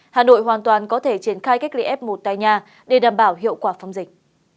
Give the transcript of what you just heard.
hà nội hoàn toàn có thể triển khai cách lý ép một tay nhà để đảm bảo hiệu quả phong dịch